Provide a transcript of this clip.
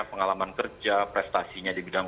pengalaman kerja prestasinya di bidang